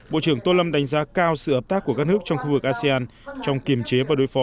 bộ trưởng tô lâm đánh giá cao sự hợp tác của các nước trong khu vực asean trong kiềm chế và đối phó